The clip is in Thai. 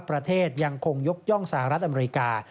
ประเทศยังคงยกย่องสหรัฐอเมริกา